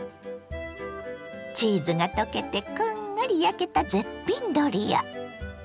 チーズが溶けてこんがり焼けた絶品ドリア。